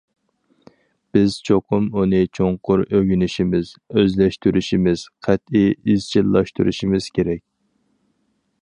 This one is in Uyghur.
بىز چوقۇم ئۇنى چوڭقۇر ئۆگىنىشىمىز، ئۆزلەشتۈرۈشىمىز، قەتئىي ئىزچىللاشتۇرۇشىمىز كېرەك.